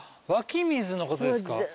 湧き水のことですか。